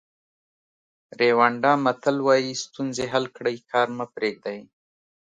ریوانډا متل وایي ستونزې حل کړئ کار مه پریږدئ.